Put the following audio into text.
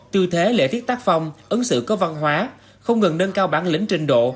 tư thế lễ thiết tác phong ứng xử có văn hóa không ngừng nâng cao bản lĩnh trình độ